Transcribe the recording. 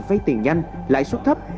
vay tiền nhanh lãi suất thấp